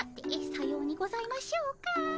さようにございましょうか。